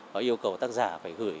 và yêu cầu tác giả phải gửi